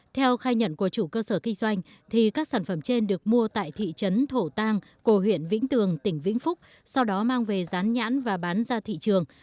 theo khai nhận của chủ cơ sở kinh doanh các sản phẩm trên được mua tại thị trấn thổ tăng cổ huyện vĩnh tường tỉnh vĩnh phúc sau đó mang về dán nhãn và bán ra thị trường